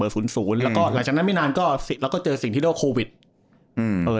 หลังจากนั้นไม่นานก็เจอสิ่งที่เรียกว่าโควิด